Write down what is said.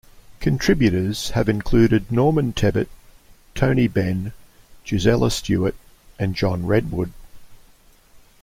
Contributors have included Norman Tebbit, Tony Benn, Gisela Stuart and John Redwood.